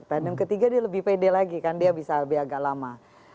tandem ketiga dia lebih pede lagi kan dia bisa lebih agak lama